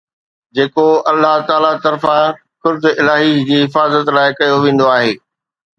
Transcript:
جيڪو الله تعاليٰ طرفان ڪرد الاهي جي حفاظت لاءِ ڪيو ويندو آهي